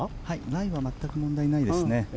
ライは全く問題ないですね。